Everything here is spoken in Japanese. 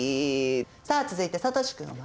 さあ続いてさとし君は？